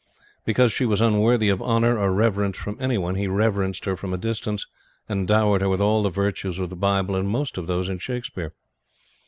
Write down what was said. Because she was unworthy of honor or reverence from any one, he reverenced her from a distance and dowered her with all the virtues in the Bible and most of those in Shakespeare.